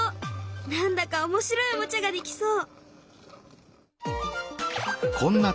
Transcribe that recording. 何だか面白いおもちゃができそう！